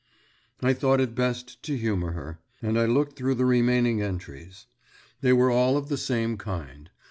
I thought it best to humour her, and I looked through the remaining entries. They were all of the same kind.